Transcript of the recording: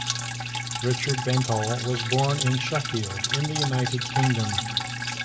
Richard Bentall was born in Sheffield in the United Kingdom.